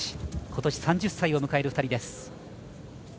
ことし３０歳を迎える２人です。